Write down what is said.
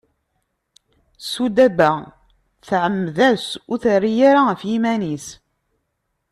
Sudaba tɛemmed-as, ur terri ara ɣef yiman-is.